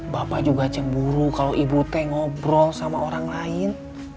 bapak juga cemburu kalau ibu t ngobrol sama orang lain